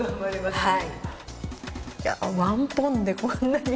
はい。